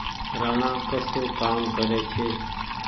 رآڻآ ڪسو ڪآم ڪري ڇي ۔